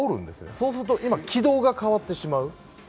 そうすると軌道が変わってしまう。